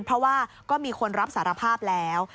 เพราะว่าก็มีคนรับสารภาพแล้ว